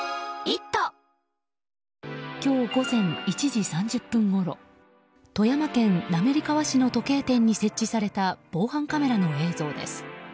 今日午前１時３０分ごろ富山県滑川市の時計店に設置された防犯カメラの映像です。